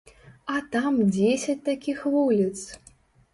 А там дзесяць такіх вуліц!